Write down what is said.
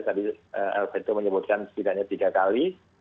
tadi alvento menyebutkan sekitarnya tiga kali